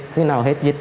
khi nào hết dịch